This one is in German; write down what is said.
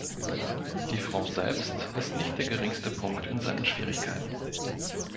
Die Frau selbst ist nicht der geringste Punkt in seinen Schwierigkeiten.